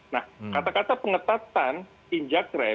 nah kata kata pengetatan injak rem itu kan dikejawantahkan